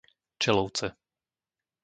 Čelovce